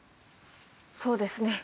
そうですね。